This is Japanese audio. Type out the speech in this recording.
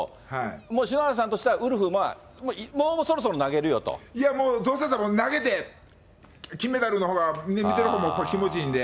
もう篠原さんとしたら、ウルフ、もうそろそろ投げるよと、いやもう、どうせだったら投げて金メダルのほうが、見てるほうも気持ちいいんで。